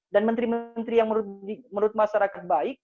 dan menteri menteri yang menurut masyarakat baik